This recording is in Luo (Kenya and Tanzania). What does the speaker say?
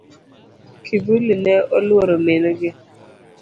Kivuli ne oluoro min gi.